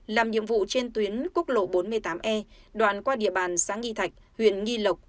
làm nhiệm vụ trên tuyến quốc lộ bốn mươi tám e đoạn qua địa bàn xã nghi thạch huyện nghi lộc